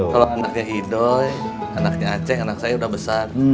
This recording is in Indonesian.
kalau anaknya idoy anaknya aceh anak saya udah besar